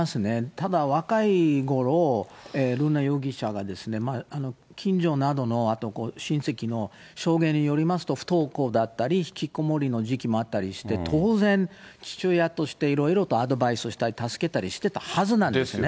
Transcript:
ただ、若いころ、瑠奈容疑者が近所など、親戚の証言によりますと、不登校だったり、引きこもりの時期もあったりして、当然、父親としていろいろとアドバイスしたり、助けたりしたはずなんですよね。